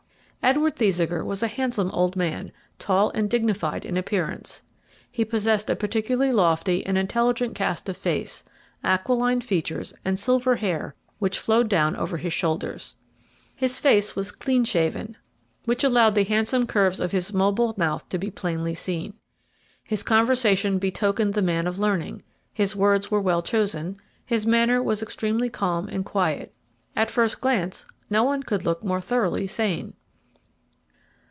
Edward Thesiger was a handsome old man, tall and dignified in appearance. He possessed a particularly lofty and intelligent cast of face, aquiline features, and silver hair which flowed down over his shoulders. His face was clean shaven, which allowed the handsome curves of his mobile mouth to be plainly seen. His conversation betokened the man of learning, his words were well chosen, his manner was extremely calm and quiet. At a first glance no one could look more thoroughly sane.